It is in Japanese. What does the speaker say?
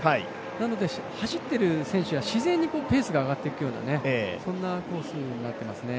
なので走っている選手は自然にペースが上がっていくような、そんなコースになってます。